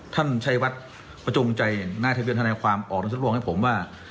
ท่านชัยวัฒน์ประจงใจหน้าทะเบียนธนาความออกแล้วสร้างให้ผมว่า